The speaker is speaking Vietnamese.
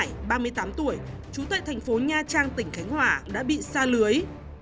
tài ba mươi tám tuổi trú tại thành phố nha trang tỉnh khánh hòa đã bị xa lưới